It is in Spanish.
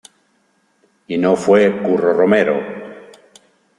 Y no fue Curro Romero.